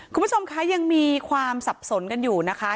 คุณผู้ชมคะยังมีความสับสนกันอยู่นะคะ